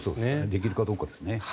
できるかどうかですね。